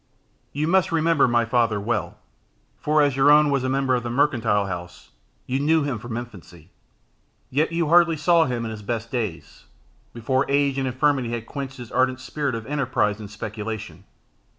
You must remember my father well; for, as your own was a member of the mercantile house, you knew him from infancy. Yet you hardly saw him in his best days, before age and infirmity had quenched his ardent spirit of enterprise and speculation.